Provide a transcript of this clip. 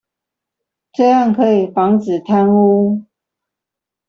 這樣可以防止貪污